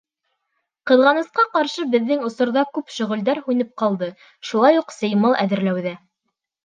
Ҡыҙғанысҡа ҡаршы, беҙҙең осорҙа күп шөғөлдәр һүнеп ҡалды, шулай уҡ сеймал әҙерләү ҙә.